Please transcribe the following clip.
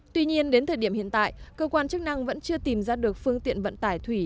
tuy nhiên đến thời điểm hiện tại cơ quan chức năng vẫn chưa tìm ra được phương tiện vận tải thủy